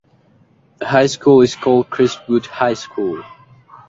The high school is called Crestwood High School.